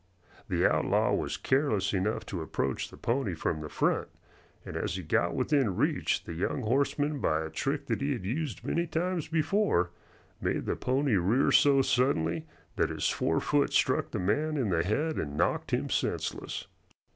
The outlaw was careless enough to approach the pony from the front, and as he got within reach the young horseman by a trick that he had used many times before made the pony rear so suddenly that his fore foot struck the man in the head and knocked him senseless.